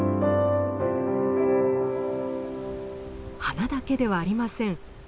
花だけではありません。